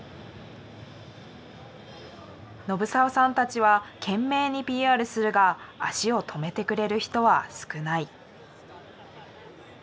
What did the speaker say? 信澤さんたちは懸命にＰＲするが足を止めてくれる人は少ない。